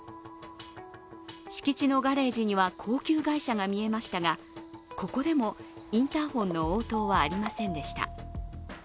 敷地のガレージには高級外車が見えましたがここでもインターフォンの応答はありませんでした。